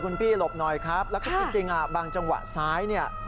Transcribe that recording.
คุณพี่หลบหน่อยครับแล้วก็จริงบางจังหวะซ้ายเนี่ย